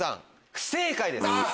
不正解です。